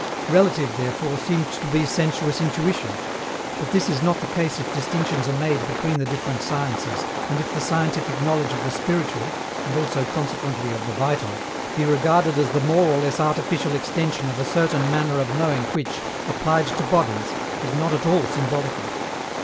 Relative, therefore, seemed to be sensuous intuition. But this is not the case if distinctions are made between the different sciences, and if the scientific knowledge of the spiritual (and also, consequently, of the vital) be regarded as the more or less artificial extension of a certain manner of knowing which, applied to bodies, is not at all symbolical.